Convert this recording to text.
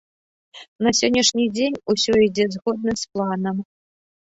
На сённяшні дзень усё ідзе згодна з планам.